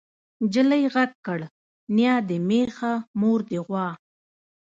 نجلۍ غږ کړ نيا دې مېښه مور دې غوا.